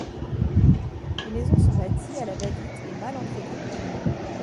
Les maisons sont bâties à la va-vite et mal entretenues.